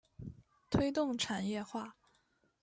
推动产业化